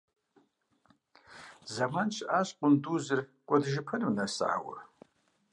Зэман щыӀащ къундузыр кӀуэдыжыпэным нэсауэ.